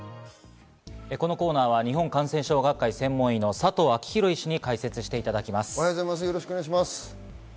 このコーナーは日本感染症学会専門医の佐藤昭裕医師に解説していただきます。